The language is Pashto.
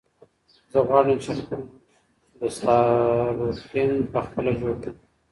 زه غواړم چې خپل د ستارو یخن په خپله جوړ کړم.